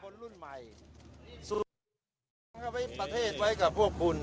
คนรุ่นใหม่สู้ประเทศไว้กับพวกคุณ